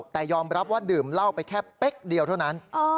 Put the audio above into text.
แต่ยอมรับว่าดื่มเหล้าไปแค่เป๊กเดียวเท่านั้น